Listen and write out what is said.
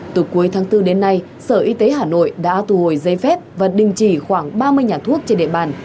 từ cuối tháng bốn đến nay sở y tế hà nội đã thu hồi giấy phép và đình chỉ khoảng ba mươi nhà thuốc trên địa bàn